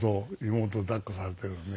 妹抱っこされてるね。